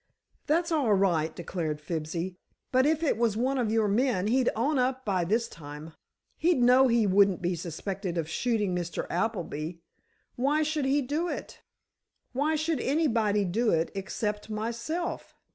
"That's all right," declared Fibsy, "but if it was one of your men, he'd own up by this time. He'd know he wouldn't be suspected of shooting Mr. Appleby. Why should he do it?" "Why should anybody do it, except myself?"